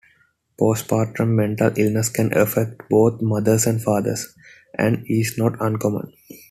Postpartum mental illness can affect both mothers and fathers, and is not uncommon.